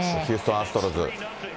アストロズ。